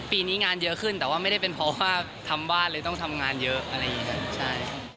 ปีนี้งานเยอะขึ้นแต่ว่าไม่ได้เป็นเพราะว่าทำบ้านงานเยอะ